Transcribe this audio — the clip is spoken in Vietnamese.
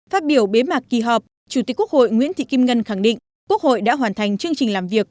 phát biểu bế mạc kỳ họp chủ tịch quốc hội nguyễn thị kim ngân khẳng định quốc hội đã hoàn thành chương trình làm việc